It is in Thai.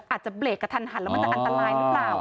เบรกกระทันหันแล้วมันจะอันตรายหรือเปล่า